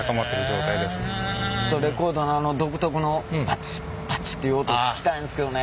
ちょっとレコードのあの独特のパチッパチッていう音聴きたいんですけどね。